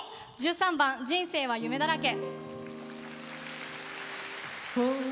１３番「人生は夢だらけ」。